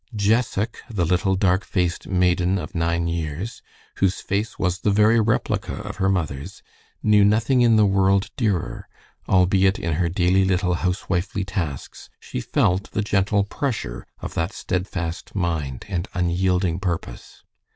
Jessac, the little dark faced maiden of nine years, whose face was the very replica of her mother's, knew nothing in the world dearer, albeit in her daily little housewifely tasks she felt the gentle pressure of that steadfast mind and unyielding purpose.